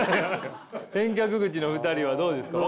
返却口の２人はどうですか？